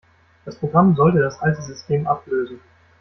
Das Programm soll das alte System ablösen.